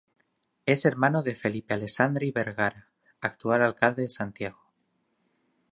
Es hermano de Felipe Alessandri Vergara actual Alcalde de Santiago.